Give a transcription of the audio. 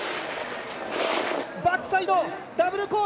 バックサイドダブル